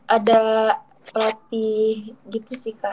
ada pelatih gitu sih kak